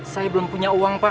saya belum punya uang pak